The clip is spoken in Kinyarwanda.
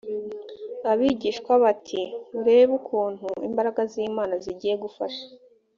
abigishwa be ati murebe ukuntu imbaraga z imana zigiye gufasha